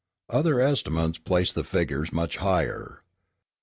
Other estimates place the figures much higher.